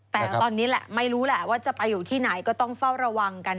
แต่ตอนนี้แหละไม่รู้แหละว่าจะไปอยู่ที่ไหนก็ต้องเฝ้าระวังกัน